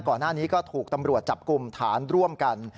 ก่อนหน้านี้ก็ถูกตำรวจจับกลุ่มฐานร่วมกัน